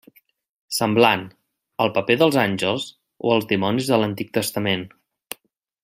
Semblant, al paper dels àngels o els dimonis de l'Antic Testament.